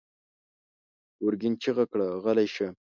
ګرګين چيغه کړه: غلی شه!